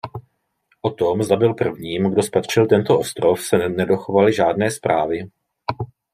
O tom zda byl prvním kdo spatřil tento ostrov se nedochovaly žádné zprávy.